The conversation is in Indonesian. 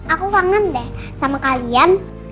aku kangen deh sama kalian